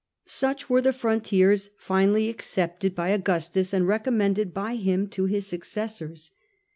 Such were the frontiers finally accepted by Augustus, and recommended by him to his successors.